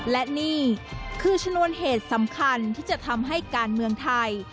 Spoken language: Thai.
และนี่คือชนวนเหตุสำคัญที่จะทำให้การเมืองไทย